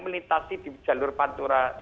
melintasi di jalur pantura